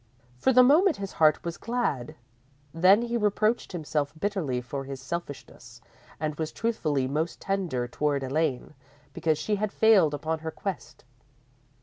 For the moment his heart was glad, then he reproached himself bitterly for his selfishness, and was truthfully most tender toward Elaine, because she had failed upon her quest.